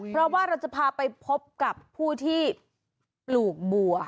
เพราะว่าเราจะพาไปพบกับผู้ที่ปลูกบัว